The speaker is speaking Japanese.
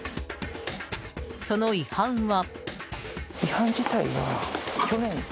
その違反は。